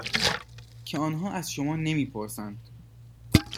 که آنها از شما نمی پرسند.